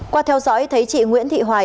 qua theo dõi thấy chị nguyễn thị hoài